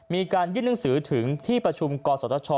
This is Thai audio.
มีการยึดหนึ่งสือถึงที่ประชุมกรสดช